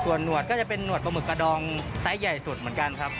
ส่วนหนวดก็จะเป็นหวดปลาหมึกกระดองไซส์ใหญ่สุดเหมือนกันครับ